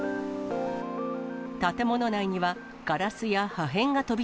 建物内には、ガラスや破片が飛び